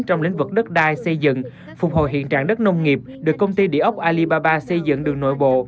trong lĩnh vực đất đai xây dựng phục hồi hiện trạng đất nông nghiệp được công ty địa ốc alibaba xây dựng đường nội bộ